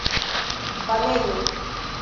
banejo